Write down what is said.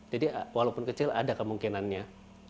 jadi walaupun kecil ada kemungkinannya